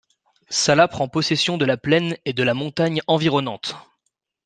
Salah prend possession de la plaine et de la montagne environnante.